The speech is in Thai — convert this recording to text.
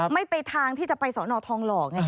ไม่ไปทางที่จะไปสอนอทองหล่อไง